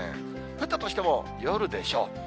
降ったとしても夜でしょう。